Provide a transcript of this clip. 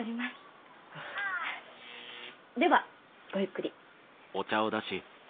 ではごゆっくり。